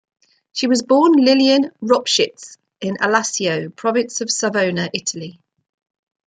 She was born Lillian Ropschitz in Alassio, Province of Savona, Italy.